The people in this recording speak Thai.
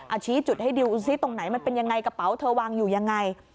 อ่ะชี้จุดให้ดิวซิตรงไหนมันเป็นอย่างไรกระเป๋าเธอวางอยู่อย่างไร